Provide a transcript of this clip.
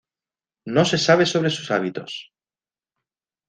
No se sabe sobre sus hábitos.